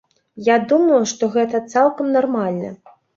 Я думаю, што гэта цалкам нармальна.